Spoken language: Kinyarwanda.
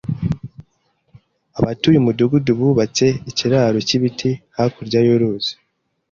Abatuye umudugudu bubatse ikiraro cyibiti hakurya y'uruzi.